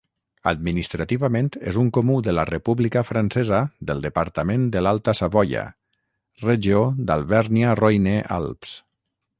Administrativament és un comú de la República Francesa del departament de l'Alta Savoia, regió d'Alvèrnia-Roine-Alps.